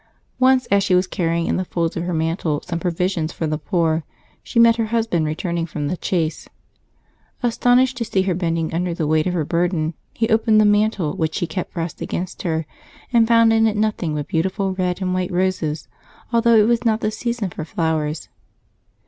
Once as she was carrying in the folds of her mantle some provisions for the poor, she met her husband returning from the chase. Astonished to see her bending under the weight of her burden, he opened the mantle which she kept pressed against her, and found in it nothing but beautiful red and w^ite roses, although it was not the season for flowers.